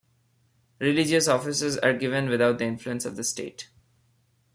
Religious offices are given without the influence of the state.